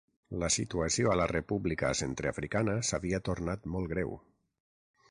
La situació a la República Centreafricana s'havia tornat molt greu.